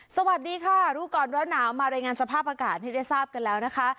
สวัสดีค่ะรู้ก่อนร้อนหนาวมารายงานสภาพอากาศให้ได้ทราบกันแล้วนะคะ